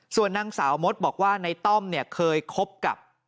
ส่วนนางสาวมดบอกว่าในต้อมเนี่ยเคยคบกับ